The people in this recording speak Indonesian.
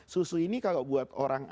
susu ini kalau buat orang